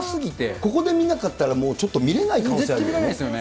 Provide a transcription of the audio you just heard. ここで見れなかったらちょっと見れない可能性あるよね。